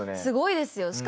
すごいですよ。